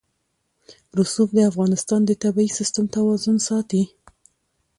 رسوب د افغانستان د طبعي سیسټم توازن ساتي.